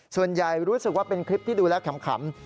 ส่วนใหญ่รู้สึกว่าเป็นคลิปที่ดูแล้วขำ